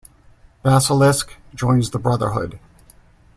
Basilisk joins the Brotherhood.